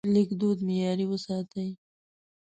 لیکدود معیاري وساتئ.